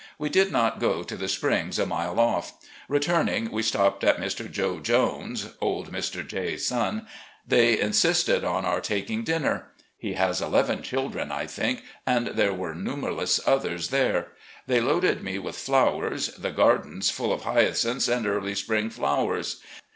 We did not go to the springs, a mile off. Returning, we stopped at Mr. Joe Jones's (old Mr. J 's son). They insisted on our taking dinner. He has eleven children, I think, and there were numberless others there. They loaded me 392 RECOLLECTIONS OF GENERAL LEE with flowers, the garden full of hyacinths and early spring flowers.